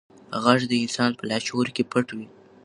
غږ د انسان په لاشعور کې پټ وي.